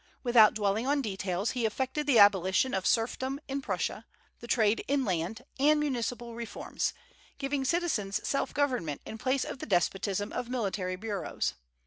Without dwelling on details, he effected the abolition of serfdom in Prussia, the trade in land, and municipal reforms, giving citizens self government in place of the despotism of military bureaus.